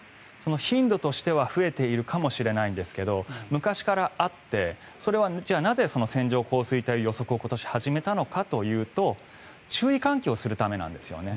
頻度としては増えているかもしれないんですが昔からあってそれはなぜ線状降水帯予測を今年、始めたのかというと注意喚起をするためなんですよね。